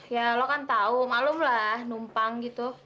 ya lo kan tahu malu lah numpang gitu